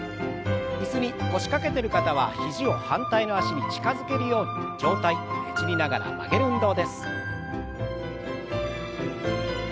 椅子に腰掛けてる方は肘を反対の脚に近づけるように上体ねじりながら曲げる運動です。